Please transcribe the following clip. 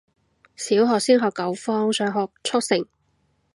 小學先學九方，再學速成